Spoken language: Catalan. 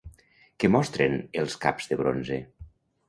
Què mostren els caps de bronze?